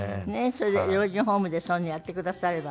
それで老人ホームでそういうのやってくださればね。